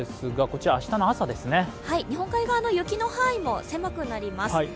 日本海側の雪の範囲も狭くなります。